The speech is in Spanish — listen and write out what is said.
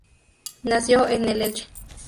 Nació el en Elche.